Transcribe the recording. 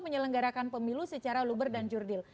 menyelenggarakan pemilu secara luber dan jurdil